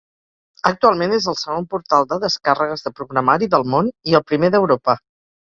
Actualment és el segon portal de descàrregues de programari del món i el primer d'Europa.